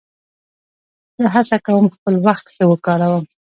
زه هڅه کوم خپل وخت ښه وکاروم.